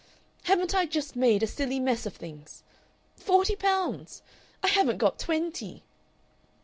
"Haven't I just made a silly mess of things? "Forty pounds! I haven't got twenty!"